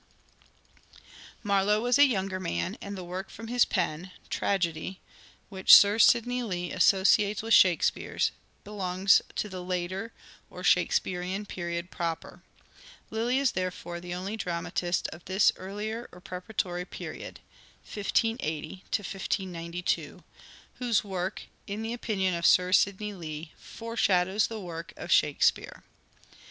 320 "SHAKESPEARE" IDENTIFIED Marlowe was a younger man, and the work from his pen (tragedy) which Sir Sidney Lee associates with Shakespeare's, belongs to the later or " Shakespearean " period proper. Lyly is therefore the only dramatist of this earlier or preparatory period (1580 1592) whose work, in the opinion of Sir Sidney Lee, fore shadows the work of " Shakespeare."